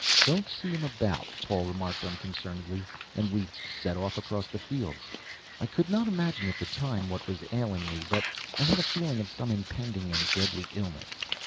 "Don't see him about," Paul remarked unconcernedly, and we set off across the fields. I could not imagine, at the time, what was ailing me, but I had a feeling of some impending and deadly illness.